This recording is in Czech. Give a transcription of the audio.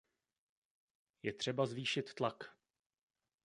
Je třeba zvýšit tlak!